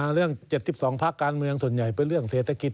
เรื่อง๗๒พักการเมืองส่วนใหญ่เป็นเรื่องเศรษฐกิจ